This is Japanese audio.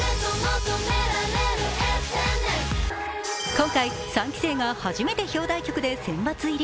今回、三期生が初めて表題曲で選抜入り。